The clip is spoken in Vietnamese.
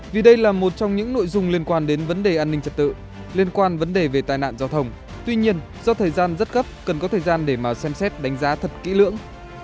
vì đây là một trong những nội dung liên quan đến vấn đề an ninh trật tự liên quan vấn đề về tai nạn giao thông tuy nhiên do thời gian rất gấp cần có thời gian để mà xem xét đánh giá thật kỹ lưỡng